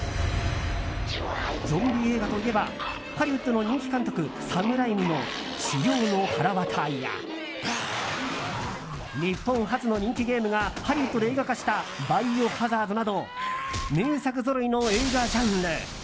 ゾンビ映画といえばハリウッドの人気監督サム・ライミの「死霊のはらわた」や日本発の人気ゲームがハリウッドで映画化した「バイオハザード」など名作ぞろいの映画ジャンル。